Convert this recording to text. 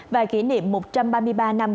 và kỷ niệm một trăm ba mươi ba năm